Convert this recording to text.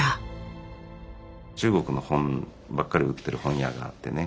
中国の本ばっかり売ってる本屋があってね